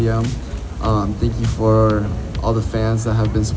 ขอบคุณทุกคนที่ต้องรับส่งช่องของผม